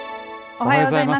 おはようございます。